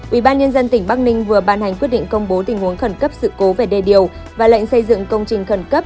ủy ban nhân dân tỉnh bắc ninh vừa ban hành quyết định công bố tình huống khẩn cấp sự cố về đề điều và lệnh xây dựng công trình khẩn cấp